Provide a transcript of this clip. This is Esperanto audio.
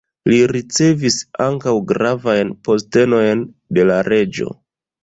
Li ricevis ankaŭ gravajn postenojn de la reĝo.